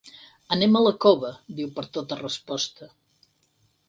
Anem a la Cova —diu per tota resposta.